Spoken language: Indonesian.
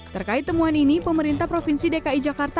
terkait temuan ini pemerintah provinsi dki jakarta